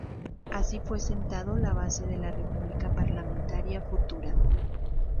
Así fue sentado la base de la república parlamentaria futura.